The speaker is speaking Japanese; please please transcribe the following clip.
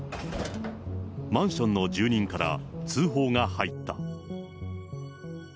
マンションの住人から通報が入った。